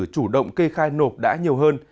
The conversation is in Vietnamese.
chủ động kê khai nộp đã nhiều hơn